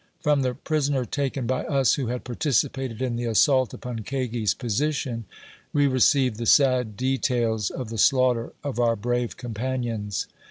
From the prisoner taken by us 50 A VOICE FROM HARPER'S FERRY. who had participated in the assault upon Kagi ? s position, we received the sad details of the slaughter ,of our brave compan ions.